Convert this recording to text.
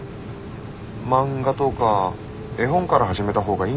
漫画とか絵本から始めた方がいいんじゃないですか？